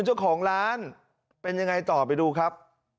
เจ้าของร้านเป็นยังไงต่อไปดูครับ